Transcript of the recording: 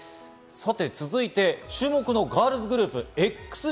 さて続いて、注目のガールズグループ・ＸＧ。